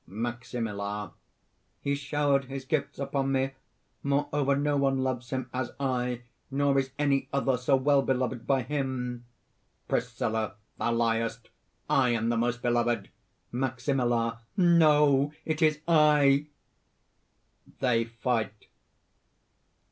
MAXIMILLA. "He showered his gifts upon me. Moreover, no one loves him as I, nor is any other so well beloved by him!" PRISCILLA. "Thou liest! I am the most beloved!" MAXIMILLA. "No: it is I!" (_They fight.